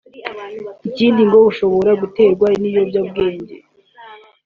Ikindi ngo ishobora guterwa n’ibiyobyabwenge